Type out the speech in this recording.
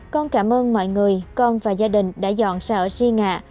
con cảm ơn mọi người con và gia đình đã dọn sợ suy ngạ